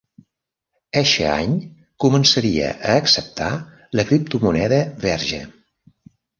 Eixe any començaria a acceptar la criptomoneda Verge.